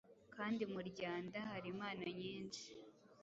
Kandi muryanda hari impano nyinshi